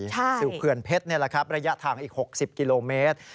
สู่เขื่อนเพชรนี่แหละครับระยะทางอีก๖๐กิโลเมตร